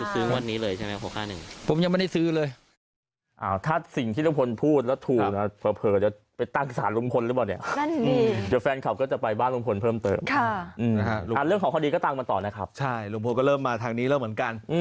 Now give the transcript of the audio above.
คือคือกูซื้อวันนี้เลยใช่ไหมหกห้าหนึ่งผมยังไม่ได้ซื้อเลย